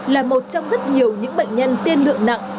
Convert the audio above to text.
là một trong rất nhiều những bệnh nhân tiên lượng nặng